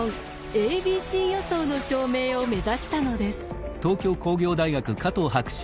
「ａｂｃ予想」の証明を目指したのです。